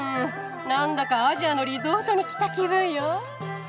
なんだかアジアのリゾートに来た気分よ。